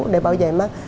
để bảo vệ mắt